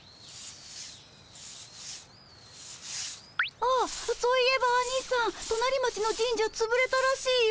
あっそういえばアニさんとなり町の神社つぶれたらしいよ。